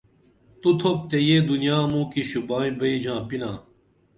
تو تُھپ تے یہ دنیا موں کی شوباں بئی ژاپِنا